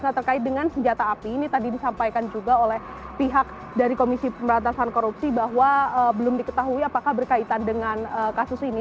nah terkait dengan senjata api ini tadi disampaikan juga oleh pihak dari komisi pemberantasan korupsi bahwa belum diketahui apakah berkaitan dengan kasus ini